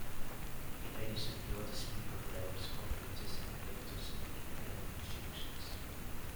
In addition he was a speaker to diverse conferences and lectures at academic institutions.